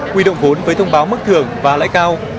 huy động vốn với thông báo mức thưởng và lãi cao